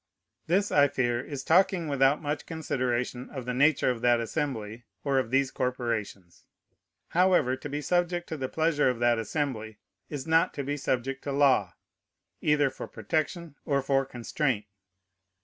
This, I fear, is talking without much consideration of the nature of that Assembly or of these corporations. However, to be subject to the pleasure of that Assembly is not to be subject to law, either for protection or for constraint.